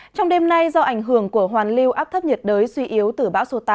trong đêm nay do ảnh hưởng của hoàn lưu áp thấp nhiệt đới suy yếu từ bão số tám